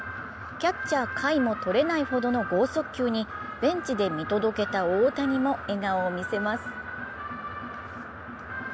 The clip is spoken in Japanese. キャッチャー・甲斐もとれないほどの剛速球にベンチで見届けた大谷も笑顔を見せます。